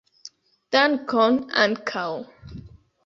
Dankon ankaŭ